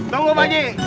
tunggu pak haji